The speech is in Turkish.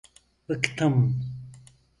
Bıktım…